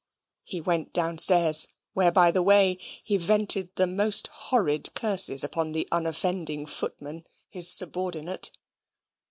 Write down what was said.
He went downstairs, where, by the way, he vented the most horrid curses upon the unoffending footman, his subordinate.